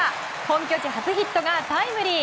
本拠地初ヒットがタイムリー！